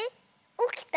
おきた？